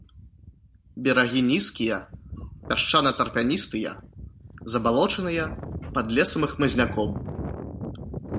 Берагі нізкія, пясчана-тарфяністыя, забалочаныя, пад лесам і хмызняком.